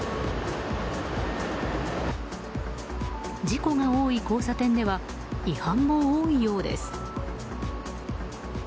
事故が多い交差点では違反も多いようです。